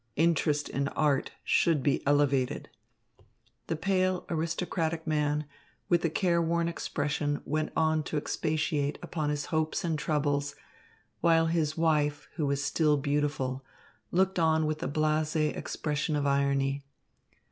Interest in art should be elevated " The pale, aristocratic man with the care worn expression went on to expatiate upon his hopes and troubles, while his wife, who was still beautiful, looked on with a blasé expression of irony.